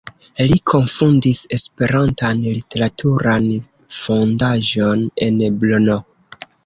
Li kunfondis Esperantan Literaturan Fondaĵon en Brno.